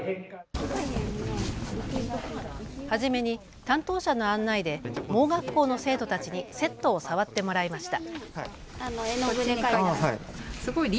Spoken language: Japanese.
初めに担当者の案内で盲学校の生徒たちにセットを触ってもらいました。